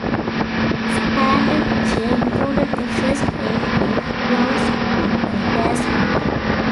Standard gear included a first aid kit, gloves, and a gas mask.